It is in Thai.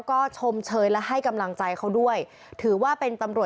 คุณผู้ชมไปฟังเสียงพร้อมกัน